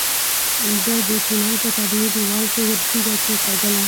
ده د تونل په طبيعي دېوال کې وړه تيږه کېکاږله.